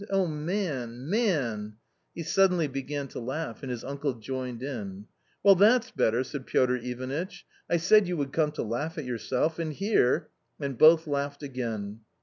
O man, man !" He suddenly began to laugh, and his uncle joined in. " Weil, that's better !" said Piotr Ivanitch ;" I said you would come to laugh at yourself, and here " And both laughed again.